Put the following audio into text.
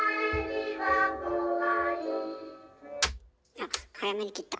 あっ早めに切った。